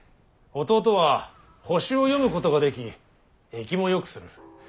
弟は星を読むことができ易もよくする。